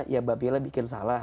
ya mbak pila bikin salah